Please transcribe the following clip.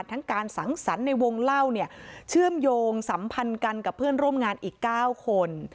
ทั้งการสังสรรค์ในวงเล่าเนี่ยเชื่อมโยงสัมพันธ์กันกับเพื่อนร่วมงานอีก๙คน